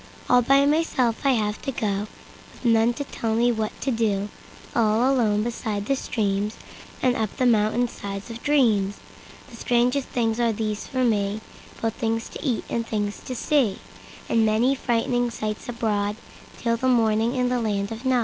All by myself I have to go, With none to tell me what to do—All alone beside the streamsAnd up the mountain sides of dreams. The strangest things are there for me, Both things to eat and things to see, And many frightening sights abroadTill morning in the land of Nod.